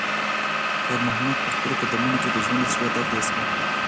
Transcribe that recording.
خیر محمد په خپلو قدمونو کې د ژوند د ستړیا درد حس کړ.